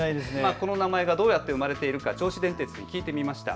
この名前がどうやって生まれているか銚子電鉄に聞きました。